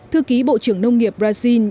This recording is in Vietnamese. thư ký bộ trưởng nông nghiệp brazil